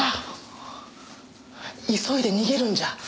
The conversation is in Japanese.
急いで逃げるんじゃ。